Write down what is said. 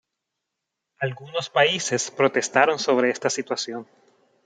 Algunos países protestaron sobre esta situación.